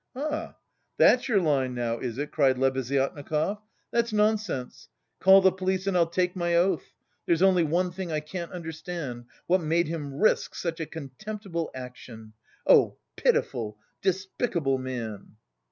"Ah, that's your line now, is it!" cried Lebeziatnikov, "that's nonsense! Call the police and I'll take my oath! There's only one thing I can't understand: what made him risk such a contemptible action. Oh, pitiful, despicable man!"